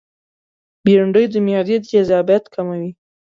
بېنډۍ د معدې تيزابیت کموي